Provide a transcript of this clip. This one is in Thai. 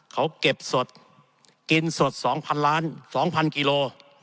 เขาเก็บสดกินสด๒๐๐ล้าน๒๐๐กิโล